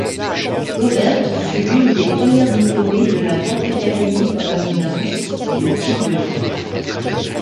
Govaert fut l'une des premières diplômées de la RockAcademy hollandanse de Tilburg.